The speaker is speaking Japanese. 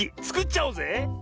つくっちゃおうぜ。